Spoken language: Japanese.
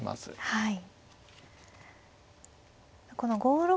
はい。